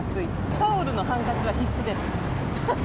タオルのハンカチは必須です。